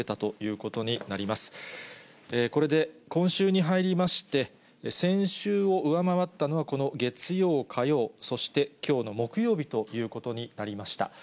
これで今週に入りまして、先週を上回ったのは、この月曜、火曜、そしてきょうの木曜日ということになりました。